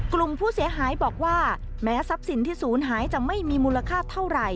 กลุ่มผู้เสียหายบอกว่าแม้ทรัพย์สินที่ศูนย์หายจะไม่มีมูลค่าเท่าไหร่